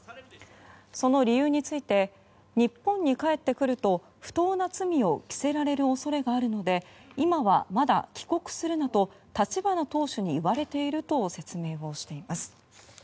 その理由について日本に帰ってくると不当な罪を着せられる恐れがあるので今はまだ帰国するなと立花党首に言われていると説明をしています。